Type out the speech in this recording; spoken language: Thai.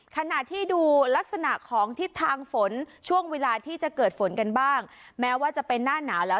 ขณะที่ดูลักษณะของทิศทางฝนช่วงเวลาที่จะเกิดฝนกันบ้างแม้ว่าจะเป็นหน้าหนาวแล้ว